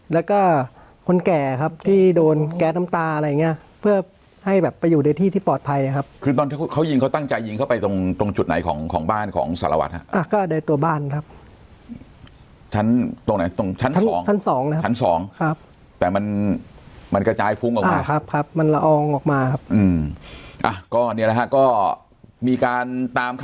แล้วก็คนแก่ครับที่โดนแก๊สน้ำตาอะไรอย่างเงี้ยเพื่อให้แบบไปอยู่ในที่ที่ปลอดภัยครับคือตอนที่เขายิงเขาตั้งใจยิงเข้าไปตรงตรงจุดไหนของของบ้านของสารวัตรฮะก็โดยตัวบ้านครับชั้นตรงไหนตรงชั้นสองชั้นสองนะครับชั้นสองครับแต่มันมันกระจายฟุ้งออกมาครับครับมันละอองออกมาครับอืมอ่ะก็เนี่ยนะฮะก็มีการตามค